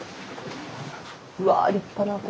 うわ立派なお寺。